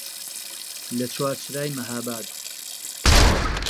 لە چوارچرای مەهاباد